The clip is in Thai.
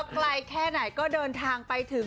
ไกลแค่ไหนก็เดินทางไปถึง